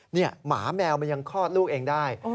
หมาแมวมันยังคลอดลูกเองได้